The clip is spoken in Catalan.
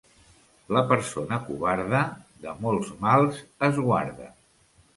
La persona covarda de molts mals es guarda.